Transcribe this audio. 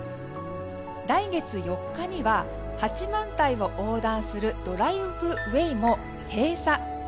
来月４日には八幡平を横断するドライブウェーも閉鎖。